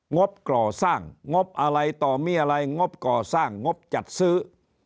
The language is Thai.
งบก่อสร้างงบอะไรต่อมีอะไรงบก่อสร้างงบจัดซื้อ